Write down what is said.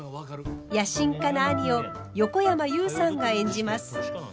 野心家な兄を横山裕さんが演じます。